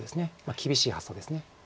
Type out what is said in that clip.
厳しい発想です。